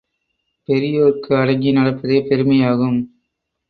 பெரியோர்க்கு அடங்கி நடப்பதே பெருமையாகும்.